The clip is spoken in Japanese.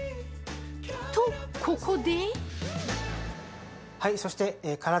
と、ここで！